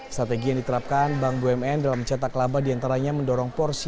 strategi yang diterapkan bank bumn dalam mencetak laba diantaranya mendorong porsi